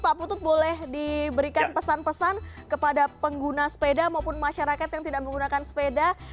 pak putut boleh diberikan pesan pesan kepada pengguna sepeda maupun masyarakat yang tidak menggunakan sepeda